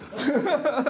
ハハハハ！